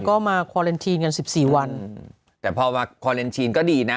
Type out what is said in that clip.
ก็มาคอเลนทีนกันสิบสี่วันแต่พอมาคอเลนทีนก็ดีนะ